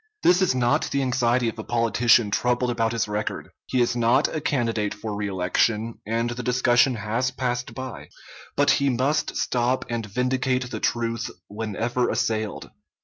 This is not the anxiety of a politician troubled about his record. He is not a candidate for reelection, and the discussion has passed by; but he must stop and vindicate the truth whenever assailed.